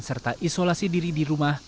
serta isolasi diri di rumah